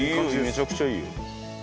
めちゃくちゃいいよ。